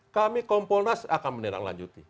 kami kompolnas akan meneranglanjuti